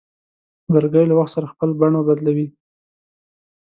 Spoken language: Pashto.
لرګی له وخت سره خپل بڼه بدلوي.